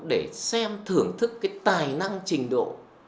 để xem thưởng thức cái tài năng trình độ